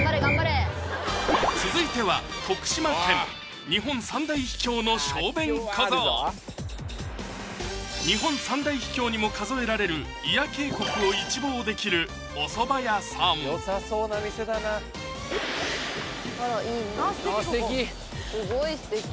続いては日本三大秘境にも数えられる祖谷渓谷を一望できるおそば屋さんあっすてき！